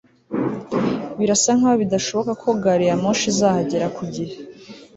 Birasa nkaho bidashoboka ko gari ya moshi izahagera ku gihe